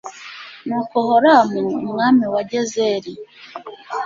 nuko horamu, umwami wa gezeri